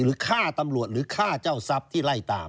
ฆ่าตำรวจหรือฆ่าเจ้าทรัพย์ที่ไล่ตาม